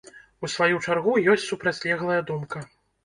У сваю чаргу, ёсць супрацьлеглая думка.